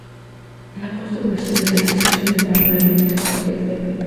La costa oeste desde el estrecho de Magallanes hasta el golfo de Penas.